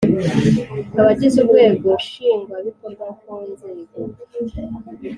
Abagize urwego Nshingwabikorwa ku nzego